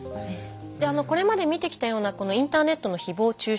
これまで見てきたようなインターネットのひぼう中傷